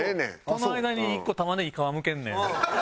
この間に１個玉ねぎ皮むけんねん。